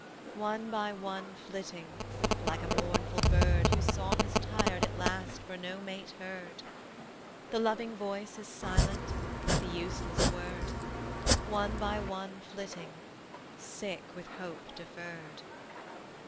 One by one flitting, Like a mournful bird Whose song is tired at last For no mate heard. The loving voice is silent, The useless word; One by one flitting, Sick with hope deferred.